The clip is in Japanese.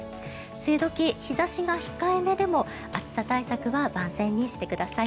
梅雨時、日差しが控えめでも暑さ対策は万全にしてください。